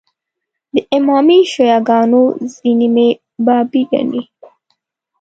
د امامي شیعه ګانو ځینې مې بابي ګڼي.